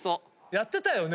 やってたよね？